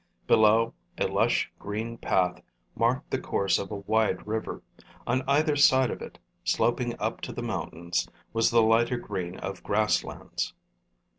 Below, a lush green path marked the course of a wide river. On either side of it, sloping up to the mountains, was the lighter green of grasslands.